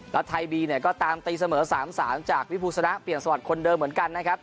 แล้วไทยบีเนี่ยก็ตามตีเสมอ๓๓จากวิภูสนะเปลี่ยนสวัสดิ์คนเดิมเหมือนกันนะครับ